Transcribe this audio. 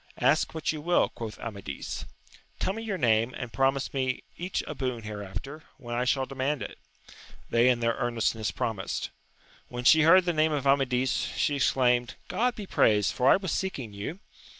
Ask what you will, quoth Amadis. — Tell me your name, and promise me each a boon hereafter, when I shall demand it. They in their earnestness promised. When she heard the name of Amadis, she exclaimed, God be praised, for I was seeking you